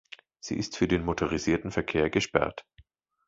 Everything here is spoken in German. Sie ist für den motorisierten Verkehr gesperrt.